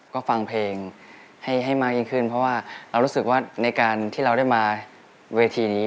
ก็ฟังเพลงให้มากยิ่งขึ้นเพราะว่าเรารู้สึกว่าในการที่เราได้มาเวทีนี้